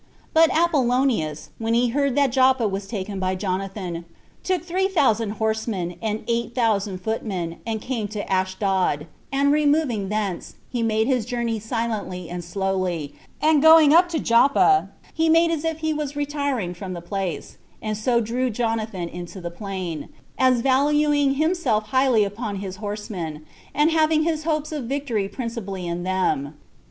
But Apollonius, when he heard that Joppa was taken by Jonathan, took three thousand horsemen, and eight thousand footmen and came to Ashdod; and removing thence, he made his journey silently and slowly, and going up to Joppa, he made as if he was retiring from the place, and so drew Jonathan into the plain, as valuing himself highly upon his horsemen, and having his hopes of victory principally in them.